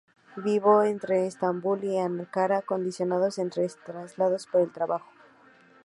Vivió entre Estambul y Ankara, condicionados estos traslados por el trabajo.